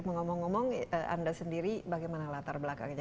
mengomong omong anda sendiri bagaimana latar belakangnya